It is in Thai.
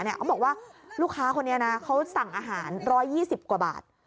เขาบอกว่าลูกค้าคนนี้นะเขาสั่งอาหาร๑๒๐กว่าบาท